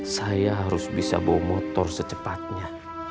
saya harus bisa bawa motor secepatnya